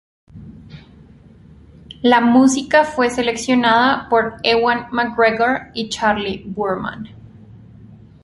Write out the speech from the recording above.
La música fue seleccionada por Ewan mcGregor y Charley Boorman.